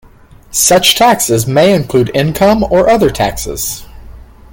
Such taxes may include income or other taxes.